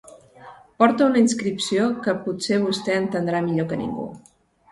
Porta una inscripció que potser vostè entendrà millor que ningú.